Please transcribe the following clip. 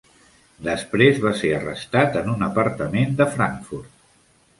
Després va ser arrestat en un apartament de Frankfurt.